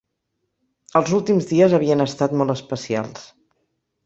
Els últims dies havien estat molt especials.